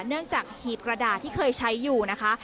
เนื่องจากหีบกระดาษที่เคยใช้อยู่นะคะ